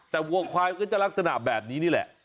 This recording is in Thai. แต่วัวควายก็จะลักษณะแบบนี้นี่แหละ